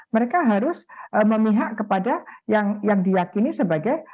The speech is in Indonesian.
mereka harus memihak kepada yang diakini sebagai